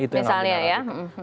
itu yang aku narasi